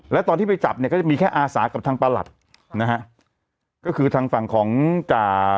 แล้วตอนที่ไปจับเนี่ยก็จะมีแค่อาสากับทางประหลัดนะฮะก็คือทางฝั่งของจ่า